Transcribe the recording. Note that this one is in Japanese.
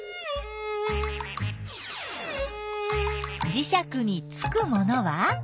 じしゃくにつくものは？